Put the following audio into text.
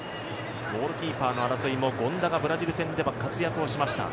ゴールキーパーの争いも、権田がブラジル戦では活躍をしました。